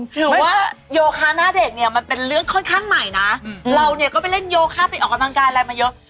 ถือว่าโยคะหน้าเด็กเนี่ยมันเป็นเรื่องค่อนข้างใหม่นะเราเนี่ยก็ไปเล่นโยคะไปออกกำลังกายอะไรมาเยอะ